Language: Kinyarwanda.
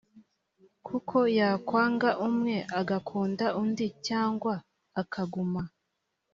kuko yakwanga umwe agakunda undi cyangwa akaguma